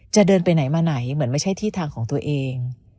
เดินไปไหนมาไหนเหมือนไม่ใช่ที่ทางของตัวเอง